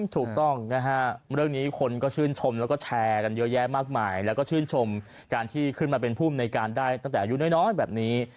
ถูกต้องนะฮะเรื่องนี้คนก็ชื่นชมแล้วก็แชร์กันเยอะแยะมากมายแล้วก็ชื่นชมการที่ขึ้นมาเป็นภูมิในการได้ตั้งแต่อายุน้อยแบบนี้